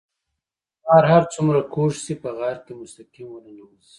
مار هر څومره کوږ شي په غار کې مستقيم ورننوزي.